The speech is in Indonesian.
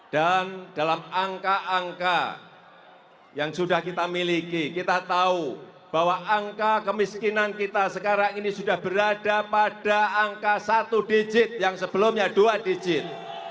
dan dalam angka angka yang sudah kita miliki kita tahu bahwa angka kemiskinan kita sekarang ini sudah berada pada angka satu digit yang sebelumnya dua digit